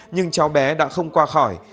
nhưng cháu bé đã không qua khỏi